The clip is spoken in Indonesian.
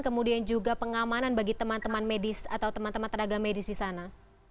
kemudian juga pengamanan bagi teman teman medis atau teman teman tenaga medis di sana